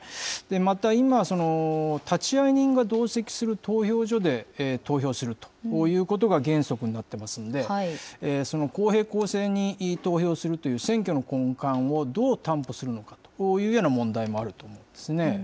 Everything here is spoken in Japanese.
また、今、立会人が同席する投票所で投票するということが原則になってますので、その公平・公正に投票するという選挙の根幹を、どう担保するのかというような問題もあると思うんですね。